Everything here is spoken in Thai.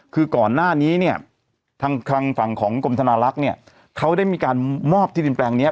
คือก่อนหน้านี้เนี่ยทางฝั่งของกรมธนาลักษณ์เนี่ยเขาได้มีการมอบที่ดินแปลงนี้